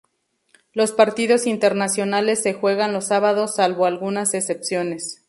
Los partidos internacionales se juegan los sábados salvo algunas excepciones.